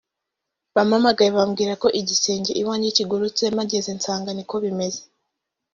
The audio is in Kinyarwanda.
bampamagaye bambwira ko igisenge iwanjye kigurutse mpageze nsanga niko bimeze